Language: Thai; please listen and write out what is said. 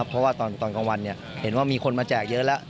เพราะว่าตอนกลางวันเห็นว่ามีคนมาแจกเยอะแล้ว